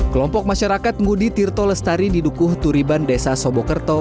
kelompok masyarakat ngudi tirto lestari di dukuh turiban desa sobokerto